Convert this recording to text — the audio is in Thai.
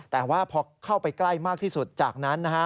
แต่ว่าพอเข้าไปใกล้มากที่สุดจากนั้นนะฮะ